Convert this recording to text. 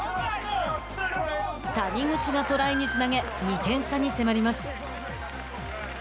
谷口がトライにつなげ２点差に迫ります。